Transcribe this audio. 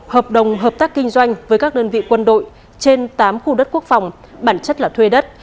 hợp đồng hợp tác kinh doanh với các đơn vị quân đội trên tám khu đất quốc phòng bản chất là thuê đất